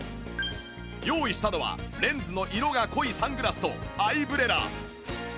用意したのはレンズの色が濃いサングラスとアイブレラ